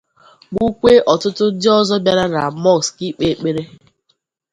gbukwee ọtụtụ ndị ọzọ bịara na mọskụ ịkpe ekpere